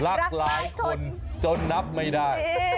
รักหลายคนจนนับไม่ได้